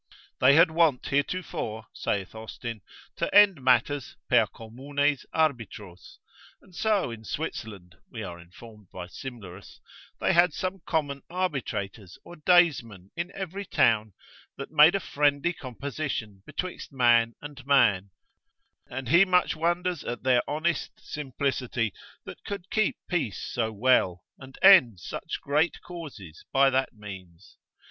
They had wont heretofore, saith Austin, to end matters, per communes arbitros; and so in Switzerland (we are informed by Simlerus), they had some common arbitrators or daysmen in every town, that made a friendly composition betwixt man and man, and he much wonders at their honest simplicity, that could keep peace so well, and end such great causes by that means.